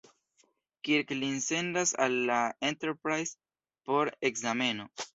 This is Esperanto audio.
Kirk lin sendas al la "Enterprise" por ekzameno.